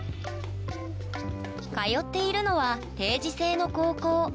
通っているのは定時制の高校。